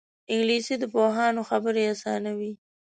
انګلیسي د پوهانو خبرې اسانوي